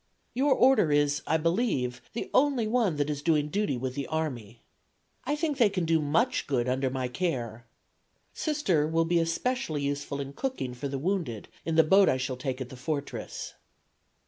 Your Order is, I believe, the only one that is doing duty with the army. I think they can do much good, under my care. Sr. will be especially useful in cooking for the wounded in the boat I shall take at the Fortress."